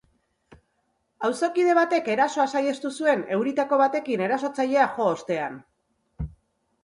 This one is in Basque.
Auzokide batek erasoa saihestu zuen, euritako batekin erasotzailea jo ostean.